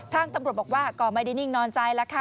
ทางตำรวจบอกว่าก็ไม่ได้นิ่งนอนใจแล้วค่ะ